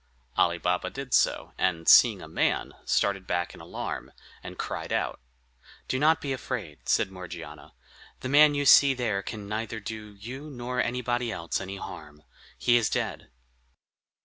Ali Baba did so, and seeing a man, started back in alarm, and cried out. "Do not be afraid," said Morgiana, "the man you see there can neither do you nor anybody else any harm. He is dead."